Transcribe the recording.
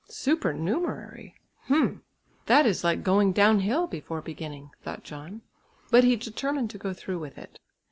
"Supernumerary! H'm! That is like going downhill before beginning," thought John. But he determined to go through with it.